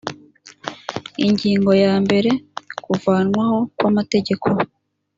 ingingo ya mbere kuvanwaho kwamategeko